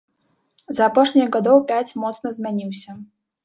За апошнія гадоў пяць моцна змяніўся.